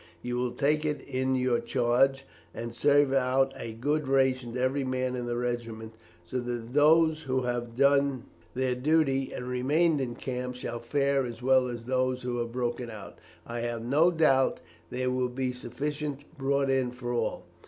You will take it in your charge, and serve out a good ration to every man in the regiment, so that those who have done their duty and remained in camp shall fare as well as those who have broken out. I have no doubt there will be sufficient brought in for all.